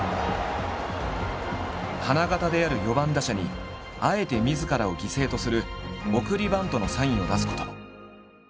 花形である４番打者にあえてみずからを犠牲とする送りバントのサインを出すことも。